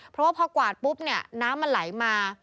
เพราะว่าพอกวาดปุ๊บเนี่ยน้ำมันไหลมา